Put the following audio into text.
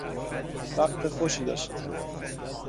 وقت خوشی داشتیم